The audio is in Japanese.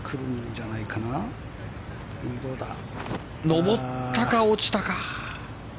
上ったか落ちたか。